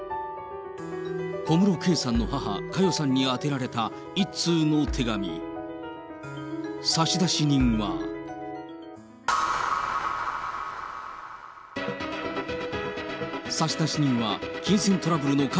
小室圭さんの母、佳代さんに宛てられた１通の手紙。